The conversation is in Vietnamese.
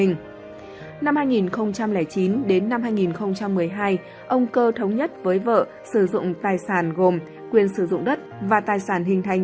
năm hai nghìn chín đến năm hai nghìn một mươi hai ông cơ thống nhất với vợ sử dụng tài sản gồm quyền sử dụng đất và tài sản hình thành